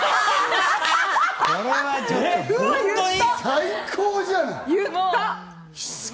最高じゃない！